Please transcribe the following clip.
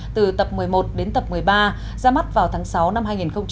từ tập một mươi một đến tập một mươi ba ra mắt vào tháng sáu năm hai nghìn một mươi chín